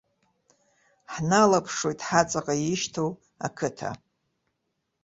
Ҳналаԥшуеит ҳаҵаҟа ишьҭоу ақыҭа.